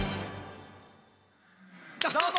どうも！